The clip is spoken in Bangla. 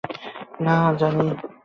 না, জানি।